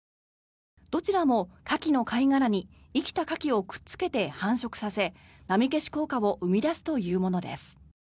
どちらもカキの貝殻に生きたカキをくっつけて繁殖させ波消し効果を生み出すというものです。